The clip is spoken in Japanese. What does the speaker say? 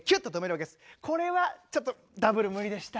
これはちょっとダブル無理でした。